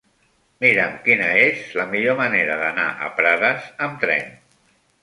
Mira'm quina és la millor manera d'anar a Prades amb tren.